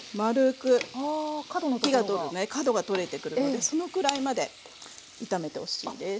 火が通るとね角がとれてくるのでそのくらいまで炒めてほしいです。